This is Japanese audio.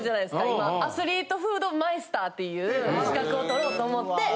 今アスリートフードマイスターっていう資格を取ろうと思って。